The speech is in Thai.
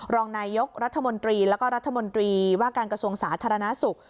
รองนายยกรัฐมนตรีแล้วก็รัฐมนตรีว่าการกระทรวงสาธารณสุข